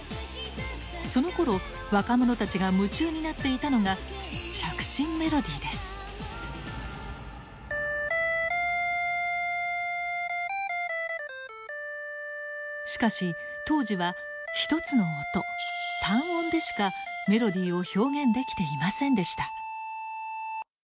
そのころ若者たちが夢中になっていたのがしかし当時は１つの音単音でしかメロディーを表現できていませんでした。